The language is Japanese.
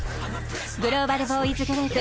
グローバルボーイズグループ